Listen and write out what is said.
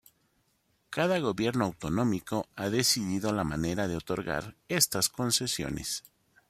Cada gobierno autonómico ha decidido la manera de otorgar estas concesiones.